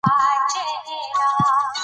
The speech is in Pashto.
ژبه د انسان شخصیت ښيي.